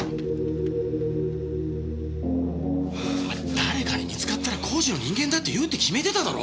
誰かに見つかったら工事の人間だって言うって決めてただろ？